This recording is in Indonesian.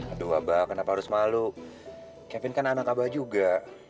aduh wabah kenapa harus malu kevin kan anak abah juga